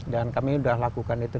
dan kami sudah lakukan itu